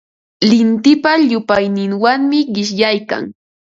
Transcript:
Lintipa llupayninwanmi qishyaykan.